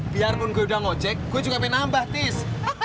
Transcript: biarpun gue udah ngojek gue juga pengen nambah tis